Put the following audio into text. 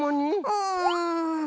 うん。